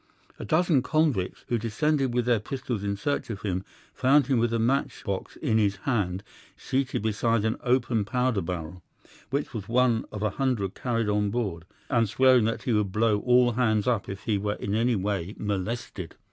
"'A dozen convicts, who descended with their pistols in search of him, found him with a match box in his hand seated beside an open powder barrel, which was one of a hundred carried on board, and swearing that he would blow all hands up if he were in any way molested.